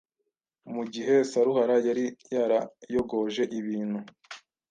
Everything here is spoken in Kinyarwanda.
Mu gihe Saruhara yari yarayogoje ibintu